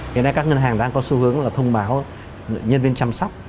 cái này các ngân hàng đang có xu hướng là thông báo nhân viên chăm sóc